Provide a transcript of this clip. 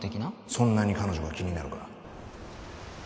そんなに彼女が気になるか